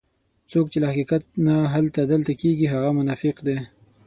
څوک چې له حقیقت نه هلته دلته کېږي هغه منافق دی.